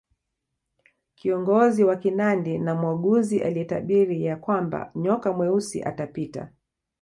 Kiongozi wa Kinandi na mwaguzi aliyetabiri ya kwamba nyoka mweusi atapita